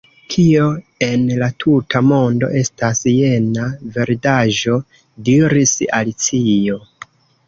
"Kio en la tuta mondo estas jena verdaĵo?" diris Alicio.